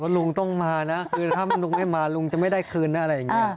ลุงต้องมานะคือถ้าลุงไม่มาลุงจะไม่ได้คืนนะอะไรอย่างนี้